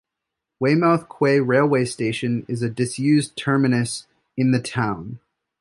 Weymouth Quay railway station is a disused terminus in the town.